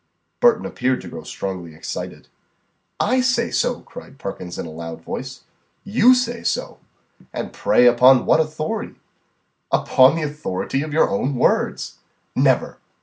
Burton appeared to grow strongly excited. "I say so," cried Perkins in a loud voice. "You say so? And, pray, upon what authority?" "Upon the authority of your own words." "Never!"